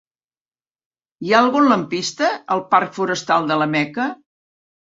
Hi ha algun lampista al parc Forestal de la Meca?